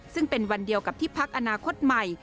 ซึ่งเป็นวันเดียวกับที่พักอนาคตใหม่